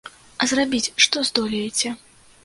А зрабіць што здолееце?